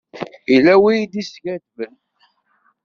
Yella win i d-yeskadben.